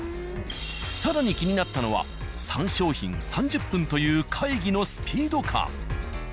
更に気になったのは３商品３０分という会議のスピード感。